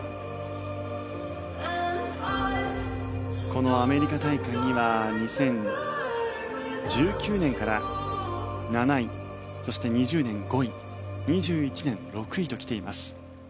このアメリカ大会には２０１９年から７位そして２０２０年５位２０２１年６位ときています。